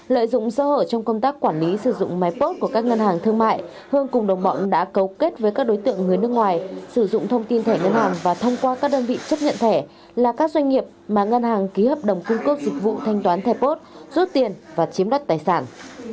lợi dụng sơ hở trong công tác quản lý sử dụng máy post của các ngân hàng thương mại hương cùng đồng bọn đã cấu kết với các đối tượng người nước ngoài sử dụng thông tin thẻ ngân hàng và thông qua các đơn vị chấp nhận thẻ là các doanh nghiệp mà ngân hàng ký hợp đồng cung cấp dịch vụ thanh toán thẻ post rút tiền và chiếm đất tài sản